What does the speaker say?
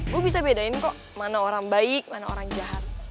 gue bisa bedain kok mana orang baik mana orang jahat